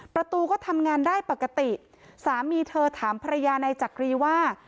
ประตูก็ทำงานได้ปกติสามีเธอถามภรรยานายจักรีว่า